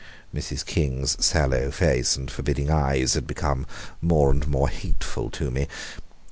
Mrs. King's sallow face and forbidding eyes had become more and more hateful to me.